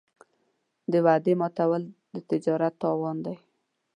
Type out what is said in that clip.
د وعدې ماتول د تجارت تاوان دی.